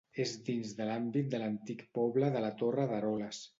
És dins de l'àmbit de l'antic poble de la Torre d'Eroles.